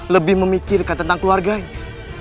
lebih memikirkan tentang keluarganya